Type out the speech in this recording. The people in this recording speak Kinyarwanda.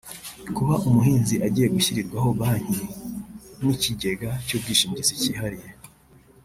Kuba umuhinzi agiye gushyirirwaho Banki n’ikigega cy’ubwishingizi cyihariye